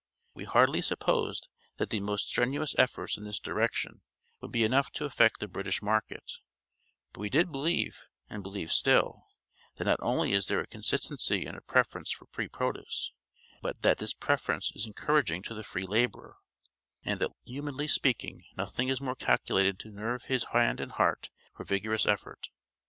We hardly supposed that the most strenuous efforts in this direction would be enough to affect the British market; but we did believe, and believe still, that not only is there a consistency in a preference for free produce, but that this preference is encouraging to the free laborer, and that humanly speaking nothing is more calculated to nerve his hand and heart for vigorous effort.